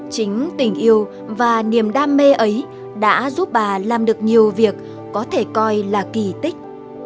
chính tình yêu và niềm đam mê ấy đã giúp bà làm được nhiều việc có thể coi là kỳ tích